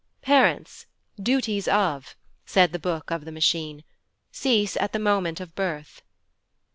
'Parents, duties of,' said the book of the Machine,' cease at the moment of birth.